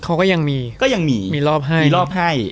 เขาก็ยังมีก็ยังมีมีรอบให้มีรอบให้